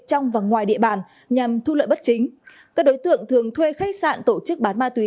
trong và ngoài địa bàn nhằm thu lợi bất chính các đối tượng thường thuê khách sạn tổ chức bán ma túy